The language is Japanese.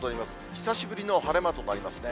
久しぶりの晴れ間となりますね。